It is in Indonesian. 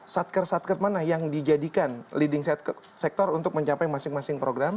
satker satker mana yang dijadikan leading sektor untuk mencapai masing masing program